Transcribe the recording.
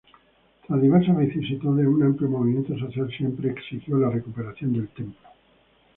Tras diversas vicisitudes, un amplio movimiento social siempre exigió la recuperación del templo.